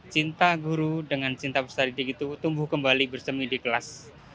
cinta guru dengan cinta peserta didik itu tumbuh kembali bersemi di kelas